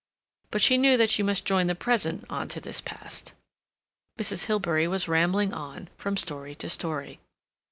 But she knew that she must join the present on to this past. Mrs. Hilbery was rambling on, from story to story.